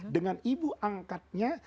dengan ibu angkatnya